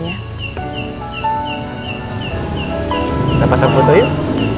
ya udah kita pasang foto yuk